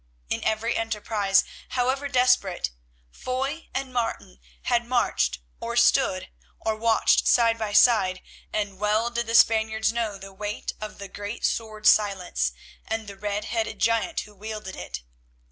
In every enterprise, however desperate, Foy and Martin had marched, or stood, or watched side by side, and well did the Spaniards know the weight of the great sword Silence and the red headed giant who wielded it.